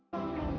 aku dan anak kita